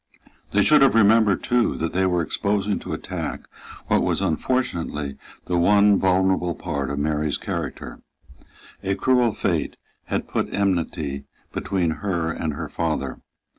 They should have remembered, too, that they were exposing to attack what was unfortunately the one vulnerable part of Mary's character. A cruel fate had put enmity between her and her father.